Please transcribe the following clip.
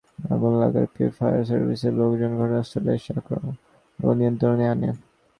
আগুন লাগার খবর পেয়ে ফায়ার সার্ভিসের লোকজন ঘটনাস্থলে এসে আগুন নিয়ন্ত্রণে আনে।